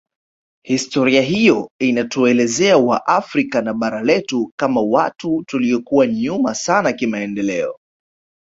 Historia hiyo inatuelezea waafrika na bara letu kama watu tuliokuwa nyuma sana kimaendeleo